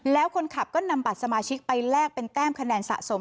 แล้วคนขับก็นำบัตรสมาชิกไปแลกเป็นแต้มคะแนนสะสม